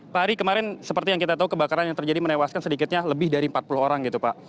pak hari kemarin seperti yang kita tahu kebakaran yang terjadi menewaskan sedikitnya lebih dari empat puluh orang gitu pak